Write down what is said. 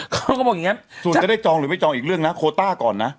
เขาก็บอกอย่างนี้ส่วนจะได้จองหรือไม่จองอีกเรื่องนะโคต้าก่อนนะ